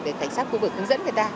để cảnh sát khu vực hướng dẫn người ta